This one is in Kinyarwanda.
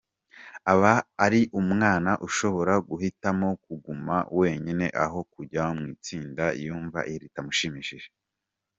Aba ari umwana ushobora guhitamo kuguma wenyine aho kujya mu itsinda yumva ritamushimishije.